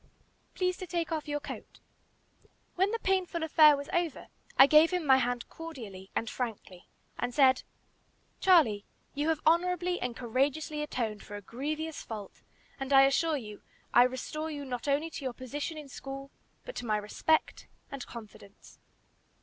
"Please to take off your coat." When the painful affair was over, I gave him my hand cordially and frankly, and said, "Charlie, you have honorably and courageously atoned for a grievous fault, and I assure you, I restore you not only to your position in school, but to my respect and confidence."